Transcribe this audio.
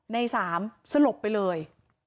ในสามสลบไปเลย